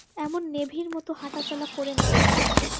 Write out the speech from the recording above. এমন নেভির মতো হাঁটাচলা করে নয়।